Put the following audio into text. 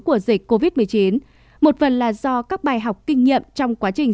của dịch covid một mươi chín một phần là do các bài học kinh nghiệm trong quá trình